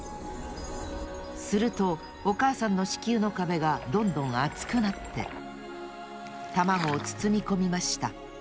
するとおかあさんの子宮のかべがどんどんあつくなってたまごをつつみこみました